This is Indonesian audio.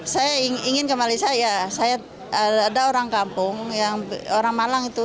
saya ingin ke malaysia ya saya ada orang kampung yang orang malang itu